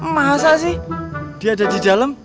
masa sih dia ada di dalam